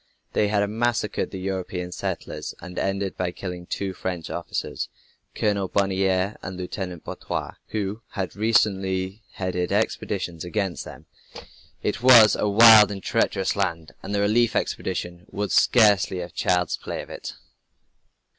They had massacred the European settlers, and ended by killing two French officers, Colonel Bonnier and Lieutenant Boiteux, who had recently headed expeditions against them. It was a wild and treacherous land, and the relief expedition would scarcely have child's play of it.